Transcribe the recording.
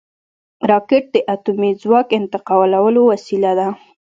راکټ د اټومي ځواک انتقالولو وسیله ده